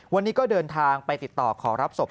วันนี้ก็เดินทางไปติดต่อขอรับศพ